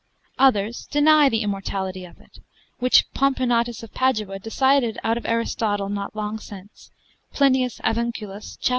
Others deny the immortality of it, which Pomponatus of Padua decided out of Aristotle not long since, Plinias Avunculus, cap.